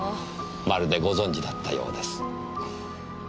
まるでご存じだったようです。